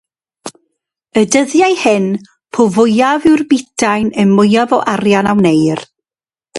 Y dyddiau hyn, po fwyaf yw'r butain y mwyaf o arian a wneir.